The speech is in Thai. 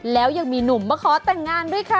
แล้วยังมีหนุ่มมาขอแต่งงานด้วยค่ะ